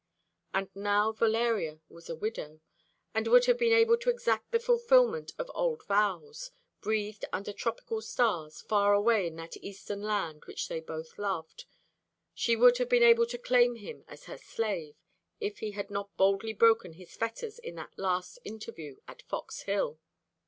And now Valeria was a widow, and would have been able to exact the fulfilment of old vows breathed under tropical stars, far away in that Eastern land which they both loved: she would have been able to claim him as her slave, if he had not boldly broken his fetters in that last interview at Fox Hill.